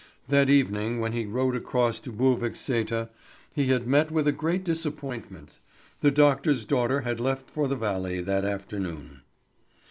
That evening when he rowed across to Buvik Sæter he had met with a great disappointment. The doctor's daughter had left for the valley that afternoon.